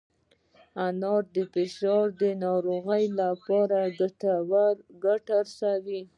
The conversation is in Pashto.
انار د فشار ناروغۍ ته ګټه رسوي.